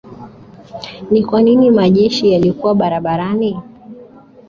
ni kwa nini majeshi yalikuwa barabarani